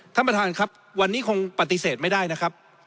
ท่านประธานครับวันนี้คงปฏิเสธไม่ได้นะครับ